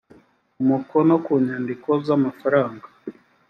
umukono ku nyandiko z’amafaranga